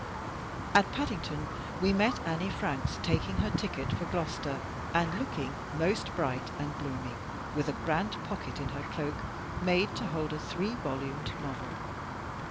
At Paddington we met Annie Franks taking her ticket for Gloucester, and looking most bright and blooming, with a grand pocket in her cloak, made to hold a three volumed novel.